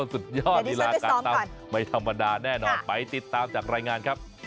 สุดยอดลีลาการตำไม่ธรรมดาแน่นอนไปติดตามจากรายงานครับ